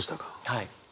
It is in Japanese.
はい。